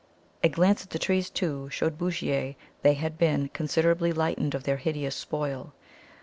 A glance at the trees, too, showed Bouchier that they had been considerably lightened of their hideous spoil.